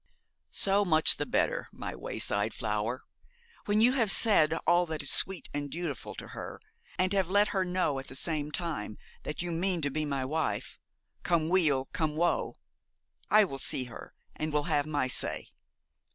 'So much the better, my wayside flower! When you have said all that is sweet and dutiful to her, and have let her know at the same time that you mean to be my wife, come weal come woe, I will see her, and will have my say.